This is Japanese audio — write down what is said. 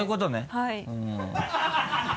はい。